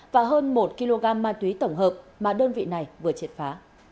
và hơn một kg ma túy tổng hợp mà đơn vị này vừa triệt phá